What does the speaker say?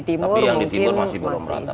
tapi yang di timur masih belum menantang